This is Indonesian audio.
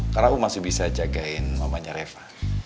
karena kamu masih bisa jagain mamanya reva